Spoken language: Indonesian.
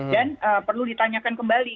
dan perlu ditanyakan kembali